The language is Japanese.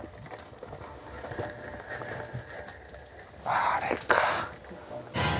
あれか。